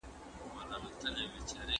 د ارغنداب سیند د ټول کندهار امید دی.